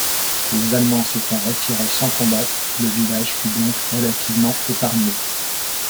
Les Allemands s'étant retirés sans combattre, le village fut donc relativement épargné.